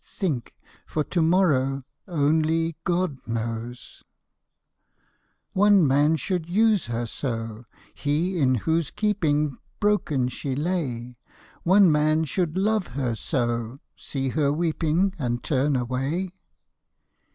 think ! for to morrow Only God knows ! One man should use her so, he in whose keeping Broken she lay ; One man should love her so, see her weeping. And turn away.